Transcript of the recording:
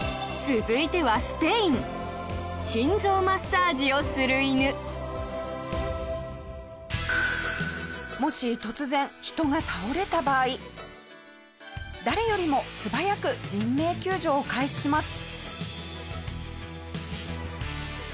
続いては、スペイン心臓マッサージをする犬下平：もし突然、人が倒れた場合誰よりも素早く人命救助を開始します。